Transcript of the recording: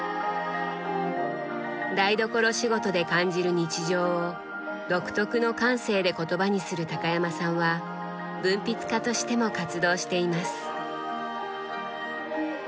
台所仕事で感じる日常を独特の感性で言葉にする高山さんは文筆家としても活動しています。